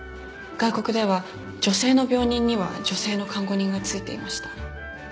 外国では女性の病人には女性の看護人がついていました。